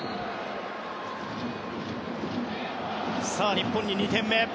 日本に２点目。